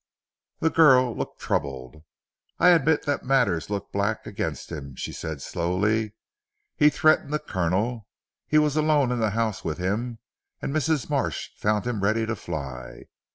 The girl looked troubled. "I admit that matters look black against him," she said slowly. "He threatened the Colonel; he was alone in the house with him, and Mrs. Marsh found him ready to fly.